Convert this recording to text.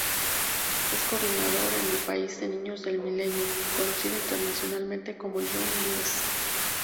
Es Coordinador en el país de Niños del Milenio, conocido internacionalmente como Young Lives.